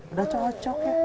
udah cocok ya